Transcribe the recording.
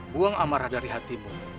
buang amarah dari hatimu